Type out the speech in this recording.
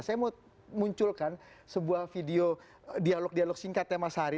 saya mau munculkan sebuah video dialog dialog singkat ya mas hari